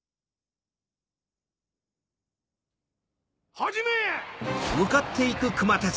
始め！